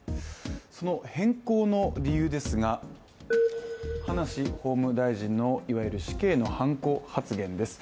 その変更の理由ですが、葉梨法務大臣のいわゆる死刑のはんこ発言です。